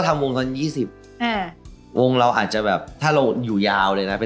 อายุวงหนึ่ง๒๐ถึง๕๐ปี